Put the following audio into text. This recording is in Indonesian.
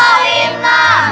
sampai banget deh